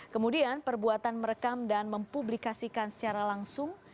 kemudian perbuatan merekam dan mempublikasikan secara langsung